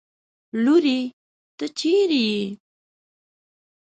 لورې! ته چېرې يې؟